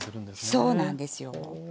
そうなんですよ。